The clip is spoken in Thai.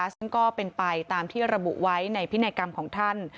ซึ่งก็เป็นไปตามที่ระบุไว้ในพินัยกรรมของท่าน